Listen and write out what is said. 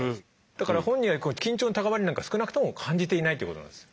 だから本人は緊張の高まりなんか少なくとも感じていないということなんです。